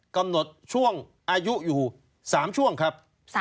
กำหนดช่วงอายุอยู่๓ช่วงครับ